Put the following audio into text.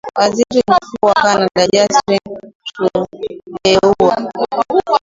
Waziri mkuu wa Canada Justin Trudeau